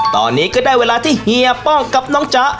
ตอนนี้ก็ได้เวลาที่เฮียป้องกับน้องจ๊ะ